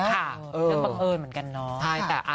บังเอิญเหมือนกันเนาะ